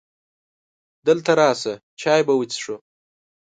دلته راشه! چای به وڅښو .